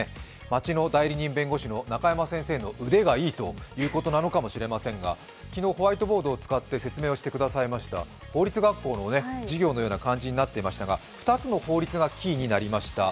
町の代理人弁護士の中山先生の腕がいいということなのかもしれませんが、昨日ホワイトボードを使って解説をしてくださいました法律学校の授業のような感じになっていましたが２つの法律がキーになりました。